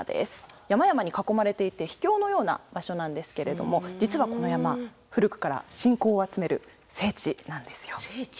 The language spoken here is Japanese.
山々に囲まれていて秘境のような場所なんですけれども実はこの山古くから信仰を集める聖地なんですよ。聖地？